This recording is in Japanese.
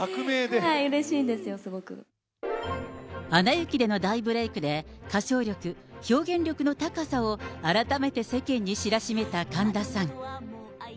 はい、うれしいんですよ、すアナ雪での大ブレークで、歌唱力、表現力の高さを改めて世間に知らしめた神田さん。